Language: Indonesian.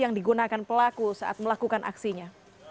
yang digunakan pelaku saat melakukan aksinya